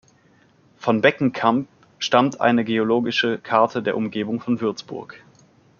Von Beckenkamp stammt eine geologische Karte der Umgebung von Würzburg.